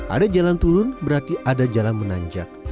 ada jalan turun berarti ada jalan menanjak